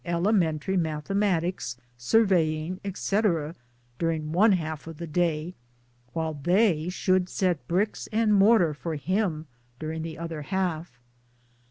elementary mathe matics, surveying', etc., during one half of the day, while they should set bricks and mortar for, him MILLTHORPIANA 173 during the other half